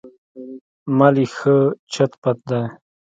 مال یې ښه چت پت دی.